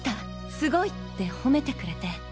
すごい！」って褒めてくれて。